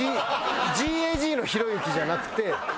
ＧＡＧのひろゆきじゃなくて。